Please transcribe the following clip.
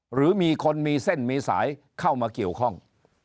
หรือมีคนมีเส้นมีสายเข้ามาเกี่ยวข้อง